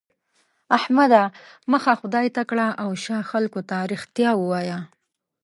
احمده! مخ خدای ته کړه او شا خلګو ته؛ رښتيا ووايه.